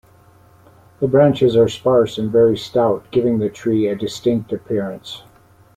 The branches are sparse and very stout, giving the tree a distinct appearance.